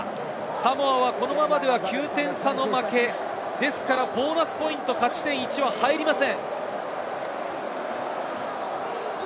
サモアはこのままでは９点差の負け、ですからボーナスポイント勝ち点１は入りません。